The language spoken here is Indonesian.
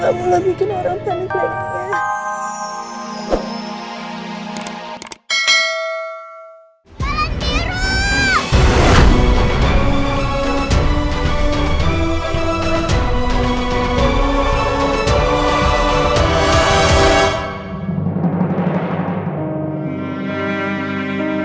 gak boleh bikin orang terlalu kaya